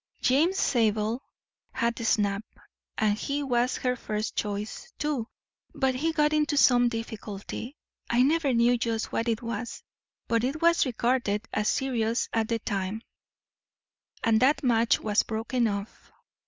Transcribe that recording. James Zabel had the snap, and he was her first choice, too, but he got into some difficulty I never knew just what it was, but it was regarded as serious at the time and that match was broken off.